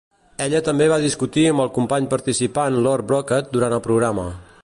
Ella també va discutir amb el company participant Lord Brocket durant el programa.